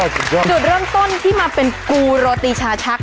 สุดยอดจุดเริ่มต้นที่มาเป็นกูโรตีชาชัก